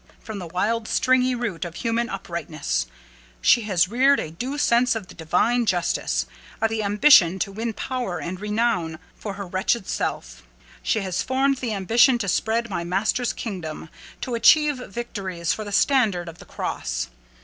From the wild stringy root of human uprightness, she has reared a due sense of the Divine justice. Of the ambition to win power and renown for my wretched self, she has formed the ambition to spread my Master's kingdom; to achieve victories for the standard of the cross.